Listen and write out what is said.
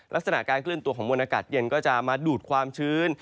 ลักษณะการเคลื่อนตัวของมวลอากาศเย็นก็จะมาดูดความชื้น